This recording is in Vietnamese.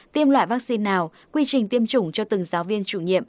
tiêm loại vaccine nào quy trình tiêm chủng cho từng giáo viên chủ nhiệm